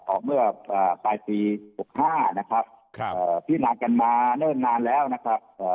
ออกเมื่อปลายปี๖๕นะครับที่นานกันมาเนิ่นนานแล้วนะครับ